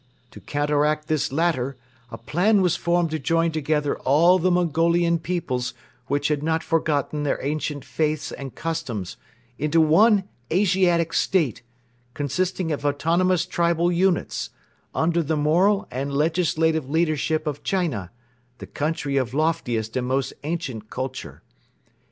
To counteract this latter a plan was formed to join together all the Mongolian peoples which had not forgotten their ancient faiths and customs into one Asiatic State, consisting of autonomous tribal units, under the moral and legislative leadership of China, the country of loftiest and most ancient culture.